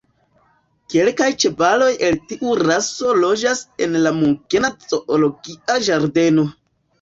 Kelkaj ĉevaloj el tiu raso loĝas en la munkena zoologia ĝardeno.